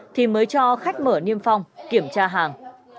thì mới cho khách mở niêm phong kiểm tra hàng